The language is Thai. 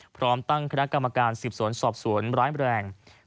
พร้อมตั้งคณะกรรมการสืบสวนสอบสวนร้ายแรง